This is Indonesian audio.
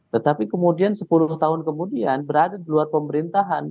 tetapi kemudian sepuluh tahun kemudian berada di luar pemerintahan